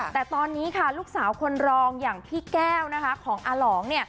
แต่ตอนนี้ลูกสาวคนรองพี่แก้วของลอง